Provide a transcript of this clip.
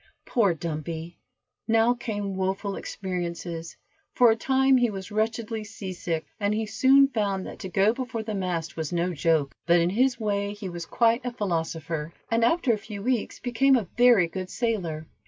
Poor Dumpy! Now came woful experiences, for a time he was wretchedly seasick, and he soon found that to go before the mast was no joke, but in his way he was quite a philosopher, and after a few weeks became a very good sailor.